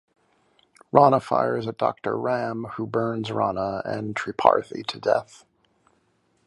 Rana fires at Doctor Ram who burns Rana and Tripathi to death.